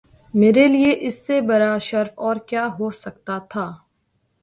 میرے لیے اس سے بڑا شرف اور کیا ہو سکتا تھا